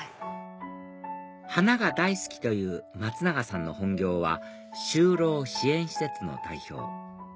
花が大好きという松永さんの本業は就労支援施設の代表